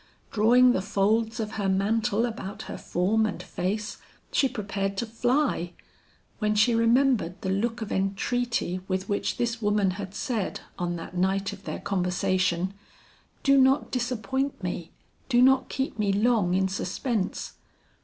Drawing the folds of her mantle about her form and face, she prepared to fly, when she remembered the look of entreaty with which this woman had said on that night of their conversation, "Do not disappoint me! Do not keep me long in suspense!"